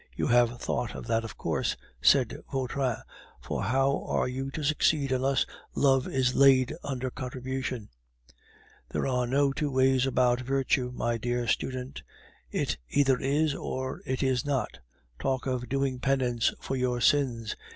You have thought of that, of course," said Vautrin, "for how are you to succeed unless love is laid under contribution? There are no two ways about virtue, my dear student; it either is, or it is not. Talk of doing penance for your sins!